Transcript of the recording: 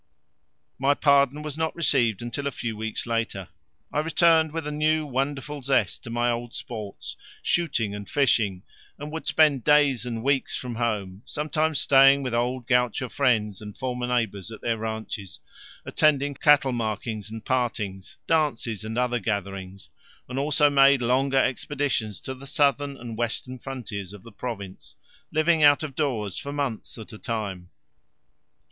My pardon was not received until a few years later. I returned with a new wonderful zest to my old sports, shooting and fishing, and would spend days and weeks from home, sometimes staying with old gaucho friends and former neighbours at their ranches, attending cattle markings and partings, dances, and other gatherings, and also made longer expeditions to the southern and western frontiers of the province, living out of doors for months at a time.